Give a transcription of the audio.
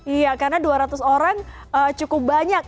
iya karena dua ratus orang cukup banyak